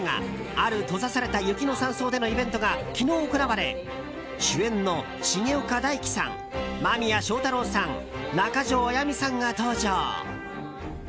「ある閉ざされた雪の山荘で」のイベントが昨日行われ主演の重岡大毅さん間宮祥太朗さん中条あやみさんが登場。